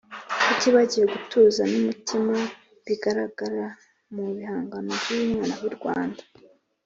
tutibagiwe gutuza n'umutima bigaragara mu bihangano by'uyu mwana w'i Rwanda.